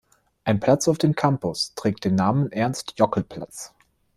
Ein Platz auf dem Campus trägt den Namen Ernst-Jokl-Platz.